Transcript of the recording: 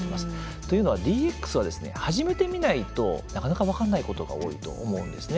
というのは、ＤＸは始めてみないとなかなか分からないことが多いと思うんですね。